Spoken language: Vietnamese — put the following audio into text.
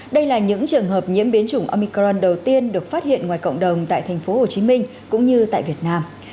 đây là những trường hợp nhiễm biến chủng omicron đầu tiên được phát hiện ngoài cộng đồng tại tp hcm cũng như tại việt nam